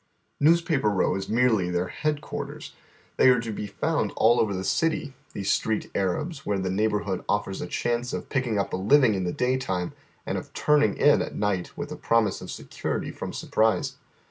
Newspaper Row is merely their headquarters. They are to be fonnd all over the city, these Street Arabs, where the neighborhood offers a chance of picking up a living in the daytime and of " turning in " at night with a promise of security from surprise.